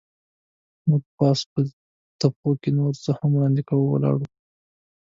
موږ پاس په تپو کې نور هم وړاندې ولاړو.